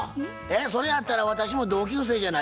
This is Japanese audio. それやったら私も同級生じゃないですか。